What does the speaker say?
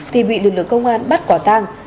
thì bị lực lượng công an bắt quả thang